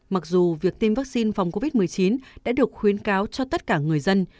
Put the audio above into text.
mặc dù việc tiêm vaccine phòng covid một mươi chín đã được khuyến cáo cho tất cả người dân